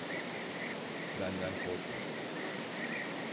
Benden korkma.